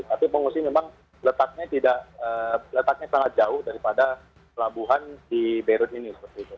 tapi pengungsi memang letaknya sangat jauh daripada pelabuhan di beirut ini